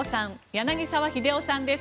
柳澤秀夫さんです。